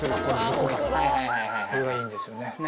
これがいいんですよね。